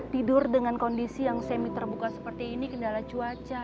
tidur dengan kondisi yang semi terbuka seperti ini kendala cuaca